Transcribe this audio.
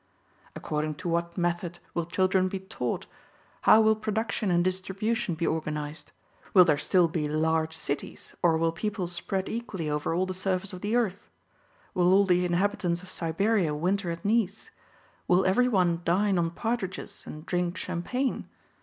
According to what method will children be taught? How will production and distribution be organized? Will there still be large cities, or will people spread equally over all the surface of the earth? Will all the inhabitants of Siberia winter at Nice? Will every one dine on partridges and drink champagne?